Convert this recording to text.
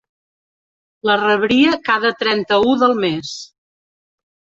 La rebria cada trenta-u del mes.